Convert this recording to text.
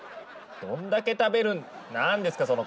どんだけ食べるんなんですか